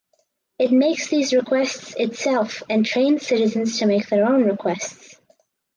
It makes these requests itself and trains citizens to make their own requests.